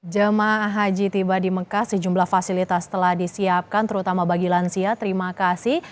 jemaah haji tiba di mekah sejumlah fasilitas telah disiapkan terutama bagi lansia terima kasih